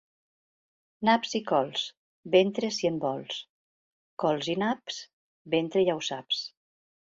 Naps i cols, ventre si en vols; cols i naps, ventre ja ho saps.